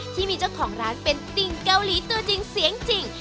ที่มีเจ้าของร้านเป็นติ่งเกาหลีตัวจริงเสียงจริง